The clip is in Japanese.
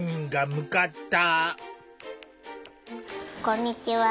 こんにちは。